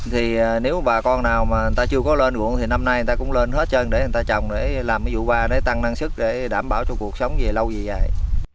thì nếu bà con nào mà người ta chưa có lên ruộng thì năm nay người ta cũng lên hết trơn để người ta trồng để làm cái vụ ba đấy tăng năng sức để đảm bảo cho cuộc sống về lâu dài